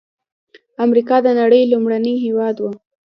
امریکا د نړۍ لومړنی هېواد و.